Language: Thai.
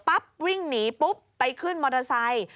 วิ่งหนีปุ๊บไปขึ้นมอเตอร์ไซค์